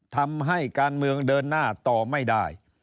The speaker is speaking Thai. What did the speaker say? ทำให้การเมืองเดินหน้าต่อไม่ได้